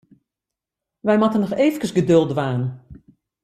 Wy moatte noch eefkes geduld dwaan.